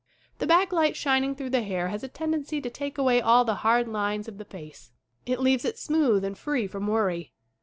The back light shining through the hair has a tendency to take away all the hard lines of the face. It leaves it smooth and free from worry.